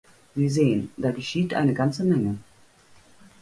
Sie sehen, da geschieht eine ganze Menge.